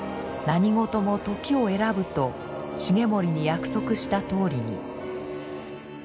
「何事も時を選ぶ」と重盛に約束したとおりに。